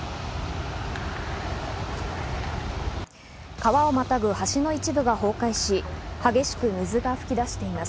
川をまたぐ橋の一部が崩落し、激しく水が噴き出しています。